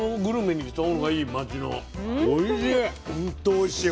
おいしい。